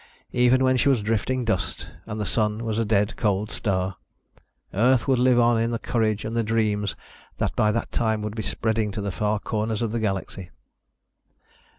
Even when she was drifting dust and the Sun was a dead, cold star, Earth would live on in the courage and the dreams that by that time would be spreading to the far corners of the Galaxy.